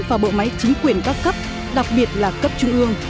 và bộ máy chính quyền các cấp đặc biệt là cấp trung ương